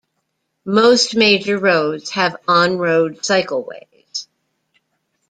Most major roads have on-road cycleways.